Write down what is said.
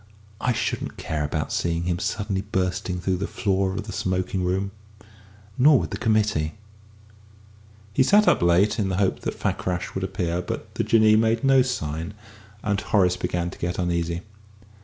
I shouldn't care about seeing him suddenly bursting through the floor of the smoking room. Nor would the committee." He sat up late, in the hope that Fakrash would appear; but the Jinnee made no sign, and Horace began to get uneasy.